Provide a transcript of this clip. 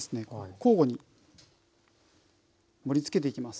交互に盛りつけていきます。